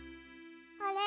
あれ？